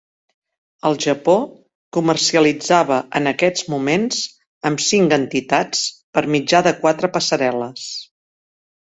El Japó comercialitzava en aquests moments amb cinc entitats per mitjà de quatre "passarel·les".